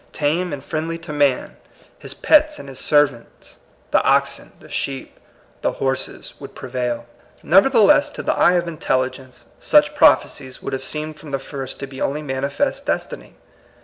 tame and friendly to man, his pets and his servants, the oxen, the sheep, the horses, would prevail I Nevertheless, to the eye of intelligence, such prophecies would have seemed from the first to be only manifest destiny.